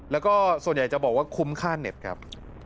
แล้วก็ส่วนใหญ่จะบอกว่าคุ้มค่าเน็ตครับ